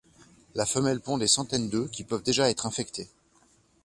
La femelle pond des centaines d’œufs qui peuvent déjà être infectés.